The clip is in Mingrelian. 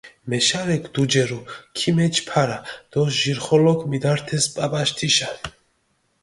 მეშარექ დუჯერუ, ქიმეჩჷ ფარა დო ჟირხოლოქ მიდართეს პაპაში თიშა.